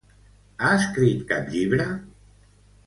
Ha escrit cap llibre?